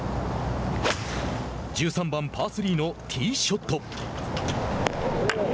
１３番パー３のティーショット。